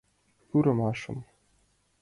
Пӱрымашым